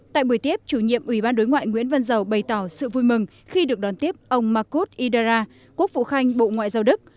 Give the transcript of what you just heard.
tại buổi tiếp chủ nhiệm ủy ban đối ngoại nguyễn văn giàu bày tỏ sự vui mừng khi được đón tiếp ông markod idara quốc vụ khanh bộ ngoại giao đức